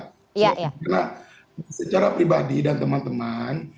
karena secara pribadi dan teman teman